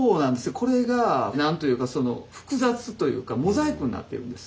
これが何というかその複雑というかモザイクになってるんです。